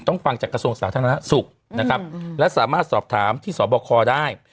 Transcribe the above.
ฟังจากกระทรวงสาธารณสุขนะครับและสามารถสอบถามที่สบคได้